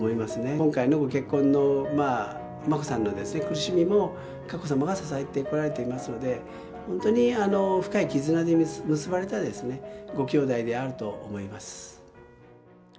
今回のご結婚の眞子さんの苦しみも、佳子さまが支えてこられてますので、本当に深い絆で結ばれたごきょうだいであると思います。